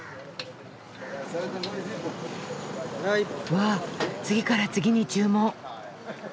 うわ次から次に注文。